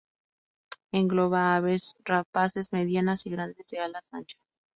Engloba aves rapaces medianas y grandes de alas anchas.